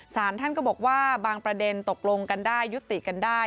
สารท่านก็บอกว่าบางประเด็นตกลงกันได้ยุติกันได้